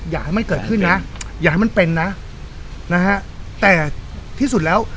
อย่าให้มันเกิดขึ้นนะอย่าให้มันเป็นนะนะฮะแต่ที่สุดแล้ว